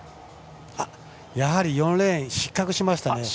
やはり４レーン失格になりましたね。